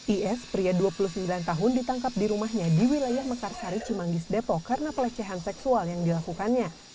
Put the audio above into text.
is pria dua puluh sembilan tahun ditangkap di rumahnya di wilayah mekarsari cimanggis depok karena pelecehan seksual yang dilakukannya